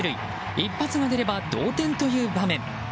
一発が出れば同点という場面。